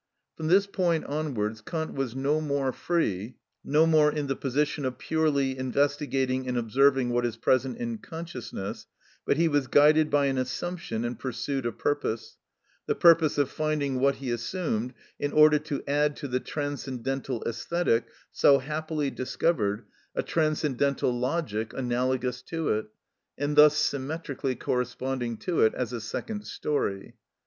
From this point onwards Kant was no more free, no more in the position of purely, investigating and observing what is present in consciousness; but he was guided by an assumption and pursued a purpose—the purpose of finding what he assumed, in order to add to the Transcendental Æsthetic so happily discovered a Transcendental Logic analogous to it, and thus symmetrically corresponding to it, as a second storey.